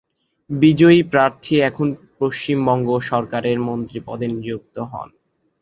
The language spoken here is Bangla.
বিজয়ী প্রার্থী এখন পশ্চিমবঙ্গ সরকারের মন্ত্রী পদে নিযুক্ত হন।